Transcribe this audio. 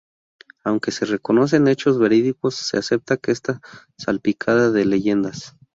Aunque se reconocen hechos verídicos, se acepta que está salpicada de leyendas.